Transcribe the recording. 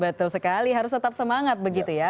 betul sekali harus tetap semangat begitu ya